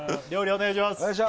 お願いします